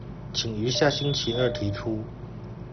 請於下星期二提出